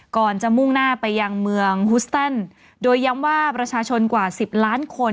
ก่อนจะมุ่งหน้าไปยังเมืองฮุสตันโดยย้ำว่าประชาชนกว่าสิบล้านคน